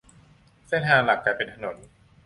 เส้นทางหลักกลายเป็นถนน